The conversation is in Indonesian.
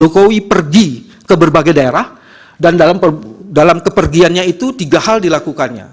jokowi pergi ke berbagai daerah dan dalam kepergiannya itu tiga hal dilakukannya